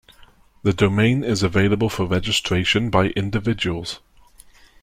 The domain is available for registration by individuals.